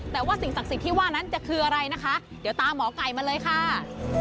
แต่ว่าสิ่งศักดิ์สิทธิ์ที่ว่านั้นจะคืออะไรนะคะเดี๋ยวตามหมอไก่มาเลยค่ะ